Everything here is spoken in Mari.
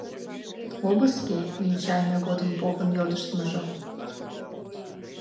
Обыске — венчайыме годым попын йодыштмыжо.